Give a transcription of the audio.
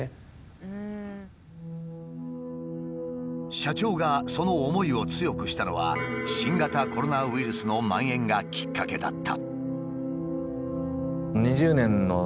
社長がその思いを強くしたのは新型コロナウイルスのまん延がきっかけだった。